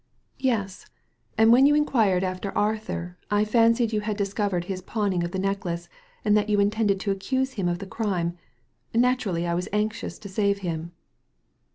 "Yes; and when you inquired after Arthur, I fancied you had discovered his pawning of the necklace, and that you intended to accuse him of the crime. Naturally, I was anxious to save him."